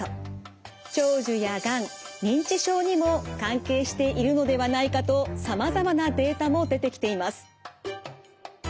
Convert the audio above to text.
長寿やがん認知症にも関係しているのではないかとさまざまなデータも出てきています。